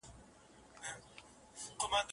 خبر سوم چي یو څرک یې لېونیو دی میندلی